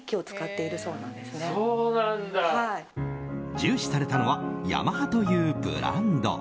重視されたのはヤマハというブランド。